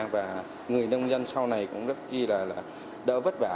và người nông dân sau này cũng rất là đỡ vất vả